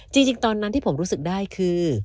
จริงตอนนั้นที่ผมรู้สึกได้คือ